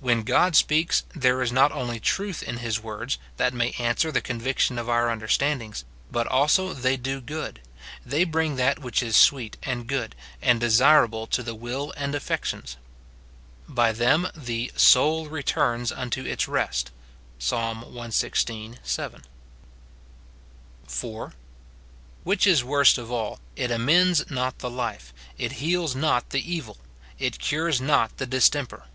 When God speaks, there is not only truth in his words, that may answer the conviction of our understand ings, but also they do good ; they bring that which is sweet, and good, and desirable to the will and affections ; by them the "soul returns unto its rest." Psa. cxvi. 7. (4.) Which is worst of all, it amends not the life, it heals not the evil, it cures not the distemper.